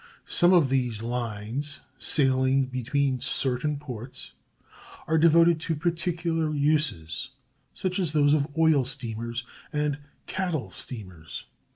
Some of these lines, sailing between certain ports, are devoted to particular uses, such as those of oil steamers and cattle steamers.